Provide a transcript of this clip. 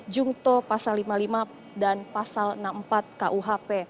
jungto pasal lima puluh lima dan pasal enam puluh empat kuhp